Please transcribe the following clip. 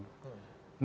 harus ikut ikut tegang